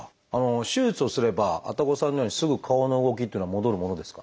手術をすれば愛宕さんのようにすぐ顔の動きっていうのは戻るものですか？